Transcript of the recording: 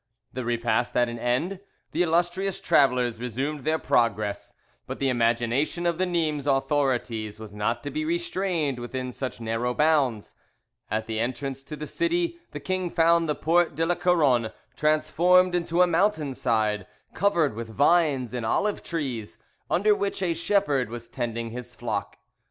The repast at an end, the illustrious travellers resumed their progress; but the imagination of the Nimes authorities was not to be restrained within such narrow bounds: at the entrance to the city the king found the Porte de la Couronne transformed into a mountain side, covered with vines and olive trees, under which a shepherd was tending his flock.